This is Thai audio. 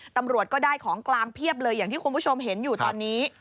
ตำรวจก็ได้ของกลางเพียบเลยอย่างที่คุณผู้ชมเห็นอยู่ตอนนี้